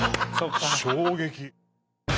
衝撃！